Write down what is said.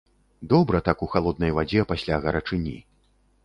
Добра так у халоднай вадзе пасля гарачыні.